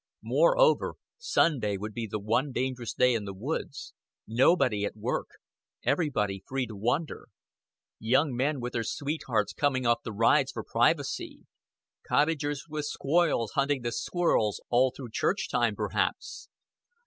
Moreover, Sunday would be the one dangerous day in the woods nobody at work, everybody free to wander; young men with their sweethearts coming off the rides for privacy; cottagers with squoils hunting the squirrels all through church time perhaps.